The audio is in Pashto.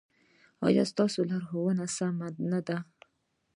ایا ستاسو لارښوونه سمه نه ده؟